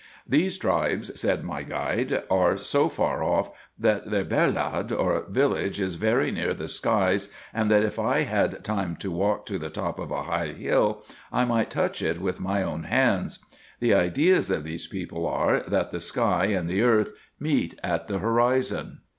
These tribes, said my guide, are so far off, that their bellad, or village, is very near the skies, and that if I had time to walk to the top of a high hill, I might touch it with my own hands. The ideas of these people are, that the sky and the earth meet at the horizon.